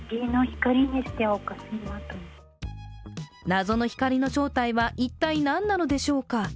謎の光の正体は一体、何なのでしょうか。